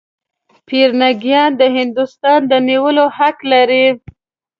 پیرنګیان د هندوستان د نیولو حق لري.